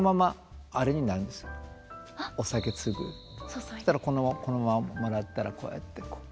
そしたらこのままもらったらこうやってこう。